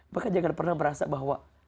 maka jangan pernah merasa bahwa